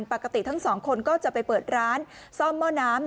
ปกติทั้งสองคนก็จะไปเปิดร้านซ่อมหม้อน้ำ